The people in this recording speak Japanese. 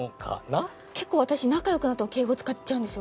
結構私仲良くなっても敬語使っちゃうんですよ。